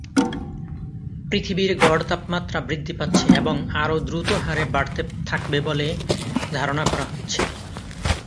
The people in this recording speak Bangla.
পৃথিবীর গড় তাপমাত্রা বৃদ্ধি পাচ্ছে এবং আরো দ্রুত হারে বাড়তে থাকবে বলে ধারণা করা হচ্ছে।